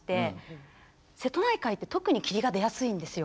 瀬戸内海って特に霧が出やすいんですよ。